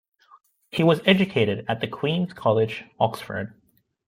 He was educated at the Queen's College, Oxford.